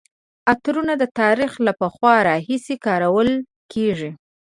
عطرونه د تاریخ له پخوا راهیسې کارول کیږي.